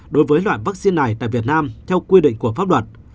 đối với loại vaccine này tại việt nam theo quy định của pháp luật